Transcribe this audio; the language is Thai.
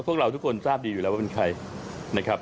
พวกเราทุกคนทราบดีอยู่แล้วว่าเป็นใครนะครับ